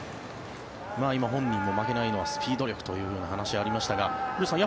本人も負けないのはスピード力という話がありましたが古田さん